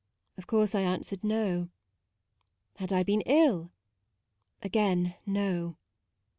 Of course I answered, No. Had I been ill? again, No.